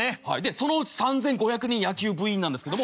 そのうち３，５００人野球部員なんですけども。